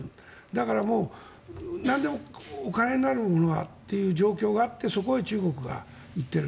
だからなんでもお金になるものはっていう状況があってそこへ中国が言っている。